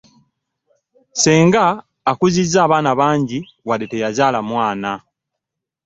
Ssenga akuzizza abaana bangi wadde teyazaala mwana!